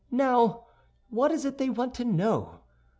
"Now, what is it they want to know?